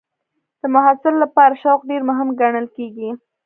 د محصل لپاره شوق ډېر مهم ګڼل کېږي.